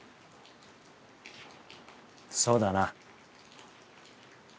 そうだな。